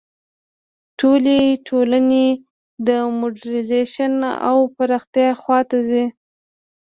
ټولې ټولنې د موډرنیزېشن او پراختیا خوا ته ځي.